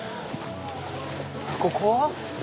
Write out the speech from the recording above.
ここは？